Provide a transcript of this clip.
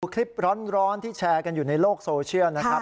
คลิปร้อนที่แชร์กันอยู่ในโลกโซเชียลนะครับ